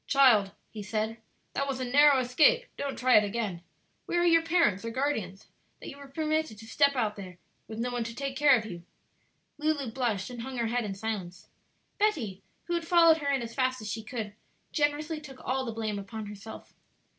"Child," he said, "that was a narrow escape; don't try it again. Where are your parents or guardians, that you were permitted to step out there with no one to take care of you?" Lulu blushed and hung her head in silence. Betty, who had followed her in as fast as she could, generously took all the blame upon herself.